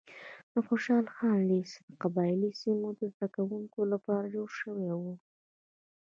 د خوشحال خان لیسه د قبایلي سیمو د زده کوونکو لپاره جوړه شوې وه.